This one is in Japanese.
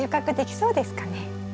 そうですね。